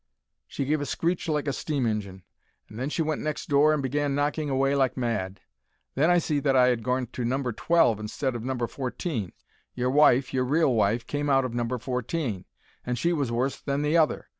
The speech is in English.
"She gave a screech like a steam injin, and then she went next door and began knocking away like mad. Then I see that I 'ad gorn to number twelve instead of number fourteen. Your wife, your real wife, came out of number fourteen—and she was worse than the other.